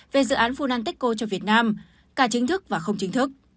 về dự án funanteko cho việt nam cả chính thức và không chính thức